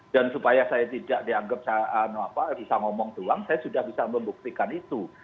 dan supaya saya tidak dianggap bisa ngomong doang saya sudah bisa membuktikan itu